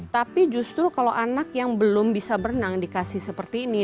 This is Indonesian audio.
tapi justru kalau anak yang belum bisa berenang dikasih seperti ini